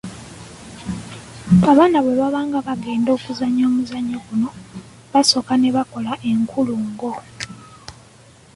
Abaana bwe baba nga bagenda okuzannyo omuzannyo guno, basooka ne bakola enkulungo.